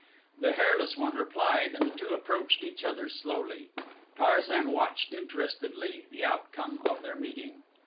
The hairless one replied and the two approached each other slowly. Tarzan watched interestedly the outcome of their meeting.